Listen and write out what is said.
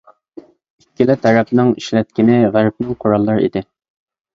ئىككىلا تەرەپنىڭ ئىشلەتكىنى غەربنىڭ قوراللىرى ئىدى.